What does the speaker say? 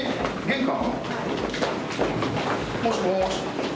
玄関？